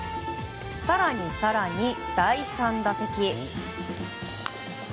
更に更に、第３打席。